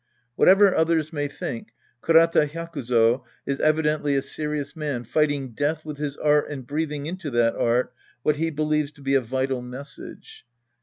Whatever others may think, Kurata Hyakuzo is evidently a serious man fighting death with his art and breathing into that art what he believes to be a vital message.